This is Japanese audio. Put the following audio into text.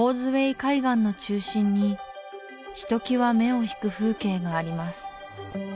海岸の中心にひときわ目を引く風景があります